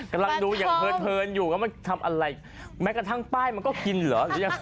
กำลังดูอย่างเฮิลเทิร์นอยู่แล้วมันทำอะไรแม้กระทั่งป้ายมันก็กินเหรอ